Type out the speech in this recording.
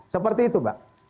seperti itu mbak